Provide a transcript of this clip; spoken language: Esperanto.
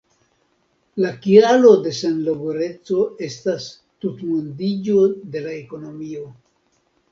La kialo de senlaboreco estas tutmondiĝo de la ekonomio.